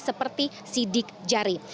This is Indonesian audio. seperti sidik jari